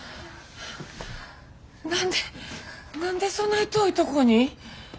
何で何でそない遠いとこに。